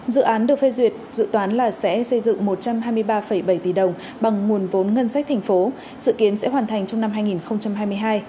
dự án được phê duyệt dự toán là sẽ xây dựng một trăm hai mươi ba bảy tỷ đồng bằng nguồn vốn ngân sách thành phố dự kiến sẽ hoàn thành trong năm hai nghìn hai mươi hai